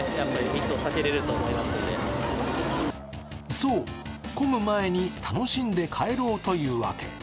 そう、混む前に楽しんで帰ろうというわけ。